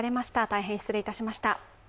大変失礼いたしました。